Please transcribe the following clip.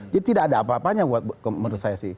jadi tidak ada apa apanya menurut saya